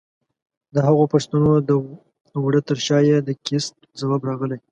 د هغو پښتنو د وره تر شا چې د کېست ځواب راغلی؛